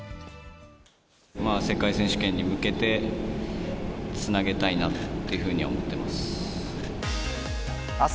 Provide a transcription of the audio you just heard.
世界選手権に向けて、つなげたいなっていうふうに思ってます。